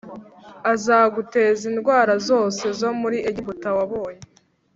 azaguteza indwara zose zo muri egiputa wabonye